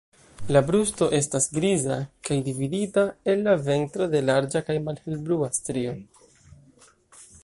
La brusto estas griza, kaj dividita el la ventro de larĝa kaj malhelblua strio.